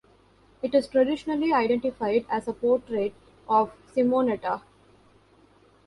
It is traditionally identified as a portrait of Simonetta.